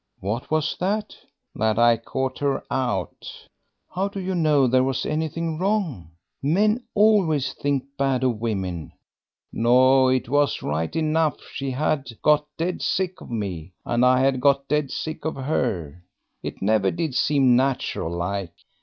"What was that?" "That I caught her out." "How do you know there was anything wrong? Men always think bad of women." "No, it was right enough! she had got dead sick of me, and I had got dead sick of her. It never did seem natural like.